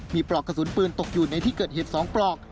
มีปลอกกระสุนปืนตกอยู่ในที่เกิดเหตุ๒ปลอก